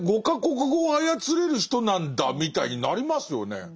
５か国語を操れる人なんだみたいになりますよね。